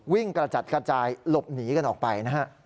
วิ่งกระจัดกระจายหลบหนีกันออกไป